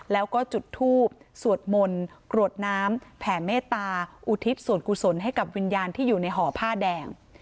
แล้วก็จุดทูบสวดมนต์กรวดน้ำแผ่เมตตาอุทิศส่วนกุศลให้กับวิญญาณที่อยู่ในห่อผ้าแดง